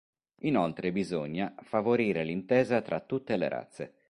Inoltre, bisogna "favorire l’intesa tra tutte le razze".